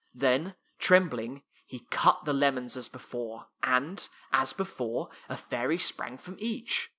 Then, trembling, he cut the lemons as before, and, as before, a fairy sprang from each.